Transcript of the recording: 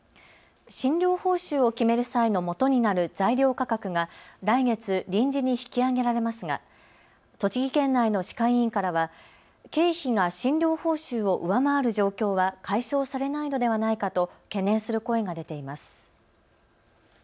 診療報酬を決める際のもとになる材料価格が来月、臨時に引き上げられますが栃木県内の歯科医院からは経費が診療報酬を上回る状況は解消されないのではないかと懸念する声が出ています。